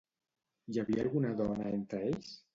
Hi havia alguna dona entre ells?